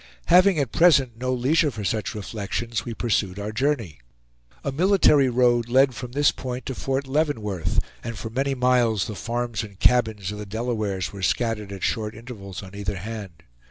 Having at present no leisure for such reflections, we pursued our journey. A military road led from this point to Fort Leavenworth, and for many miles the farms and cabins of the Delawares were scattered at short intervals on either hand.